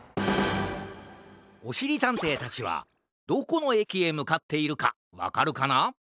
おしりたんていたちはどこのえきへむかっているかわかるかな？